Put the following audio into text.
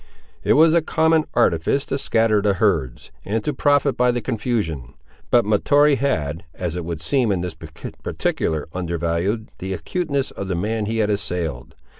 It was a common artifice to scatter the herds, and to profit by the confusion. But Mahtoree had, as it would seem in this particular undervalued the acuteness of the man he had assailed.